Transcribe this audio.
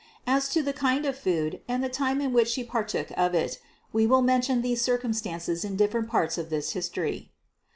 As to the kind of food and the time in which She partook of it, we will mention these circumstances in different parts of this history (Part II, 196, 424, 898).